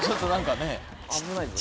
危ないぞ。